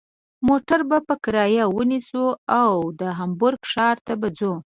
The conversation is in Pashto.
موټر به په کرایه ونیسو او هامبورګ ته به ځو.